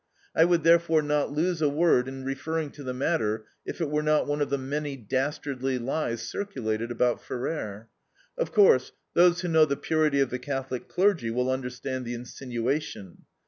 I would therefore not lose a word in referring to the matter, if it were not one of the many dastardly lies circulated about Ferrer. Of course, those who know the purity of the Catholic clergy will understand the insinuation.